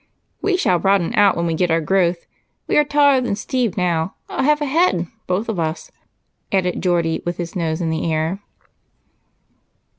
"We shall broaden out when we get our growth. We are taller than Steve now, a half a head, both of us," added Geordie, with his nose in the air.